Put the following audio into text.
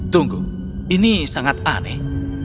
tunggu ini sangat aneh